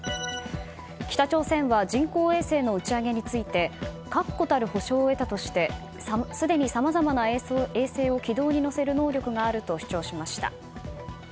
北朝鮮は人工衛星の打ち上げについて確固たる保証を得たとしてすでにさまざまな衛星を軌道に乗せる能力があると主張しました。